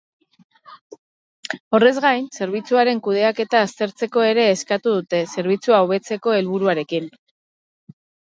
Horrez gain, zerbitzuaren kudeaketa aztertzeko ere eskatu dute, zerbitzua hobetzeko helburuarekin.